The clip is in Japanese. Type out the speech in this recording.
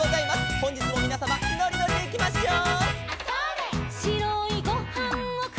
「ほんじつもみなさまのりのりでいきましょう」